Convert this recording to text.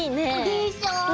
でしょ！